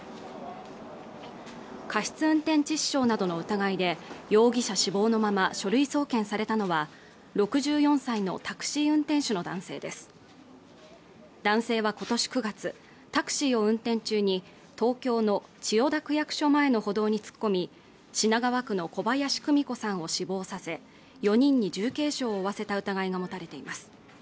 過失運転致死傷などの疑いで容疑者死亡のまま書類送検されたのは６４歳のタクシー運転手の男性です男性は今年９月タクシーを運転中に東京の千代田区役所前の歩道に突っ込み品川区の小林久美子さんを死亡させ４人に重軽傷を負わせた疑いが持たれています